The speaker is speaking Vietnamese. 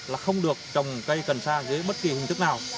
là không được trồng cây cẩn xa dưới bất kỳ hình thức nào